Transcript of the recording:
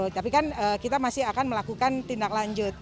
tapi kan kita masih akan melakukan tindak lanjut